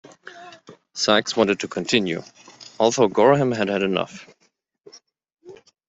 Sykes wanted to continue, although Gorham had had enough.